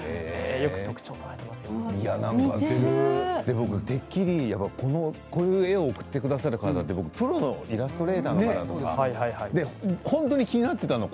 よくこういう絵を送ってくださる方ってプロのイラストレーターの方とか本当に気になっていたの。